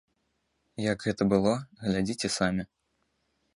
Як гэта было, глядзіце самі.